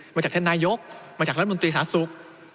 มาจากท่านนายกมาจากรัฐมนตรีสาธารณสุข